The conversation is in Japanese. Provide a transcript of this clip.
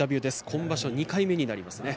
今場所２回目になりますね。